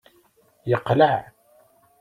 Yeqleɛ.